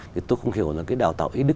thì tôi không hiểu là cái đào tạo y đức